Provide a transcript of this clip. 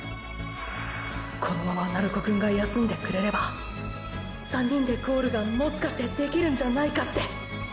このまま鳴子くんが休んでくれれば３人でゴールがもしかしてできるんじゃないかって。